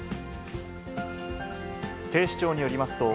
３警視庁によりますと、